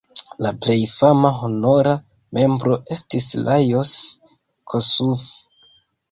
La plej fama honora membro estis Lajos Kossuth.